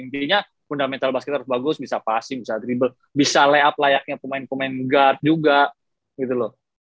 intinya fundamental basket harus bagus bisa passing bisa dribble bisa layup layaknya pemain guard juga gitu loh